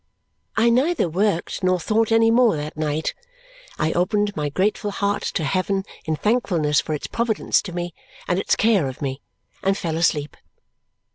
I neither worked nor thought any more that night. I opened my grateful heart to heaven in thankfulness for its providence to me and its care of me, and fell asleep.